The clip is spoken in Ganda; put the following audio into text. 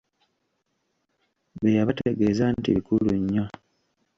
Bye yabategeeza nti bikulu nnyo.